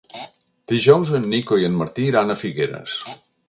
Dijous en Nico i en Martí iran a Figueres.